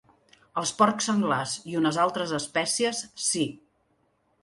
Els porcs senglars i unes altres espècies, sí.